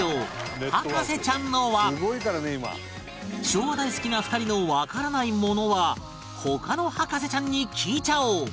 昭和大好きな２人のわからないものは他の博士ちゃんに聞いちゃおう！